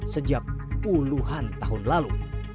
sejak puluhan tahun lalu